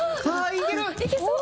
いけそう！